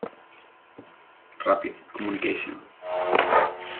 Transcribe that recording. Rapid Communication.